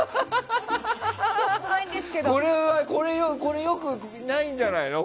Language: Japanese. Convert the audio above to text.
これは良くないんじゃないの？